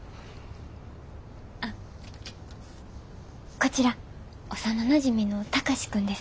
こちら幼なじみの貴司君です。